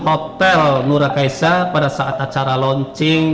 hotel nura kaisa pada saat acara launching